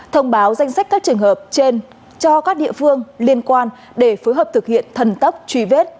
thông báo danh sách các trường hợp trên cho các địa phương liên quan để phối hợp thực hiện thần tốc truy vết